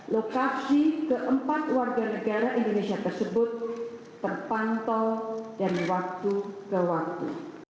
lokasi keempat warga negara indonesia tersebut terpantau dari waktu ke waktu